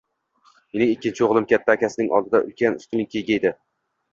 Mening ikkinchi o‘g‘lim katta akasining oldida ulkan ustunlikka ega edi